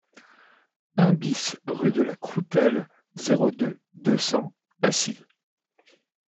un BIS rue de la Croutelle, zéro deux, deux cents, Acy